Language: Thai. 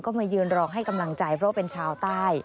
ก็มายืนรอให้กำลังใจเพราะว่าเป็นชาวใต้